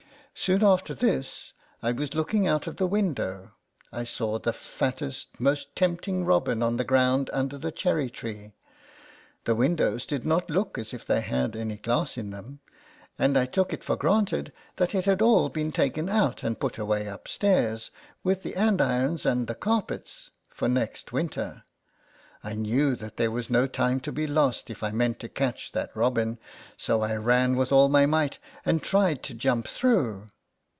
Soon after this, as I was looking out of the window, I saw the fat test, most tempting robin on the ground under the cherry tree: the windows did not look as if they had any glass in them, and I took it for granted that it had all been taken out and put away upstairs, with the andirons and the carpets, for next winter. I knew that there was no time to be lost if I meant to catch that robin, so I ran with all my might and tried to jump through.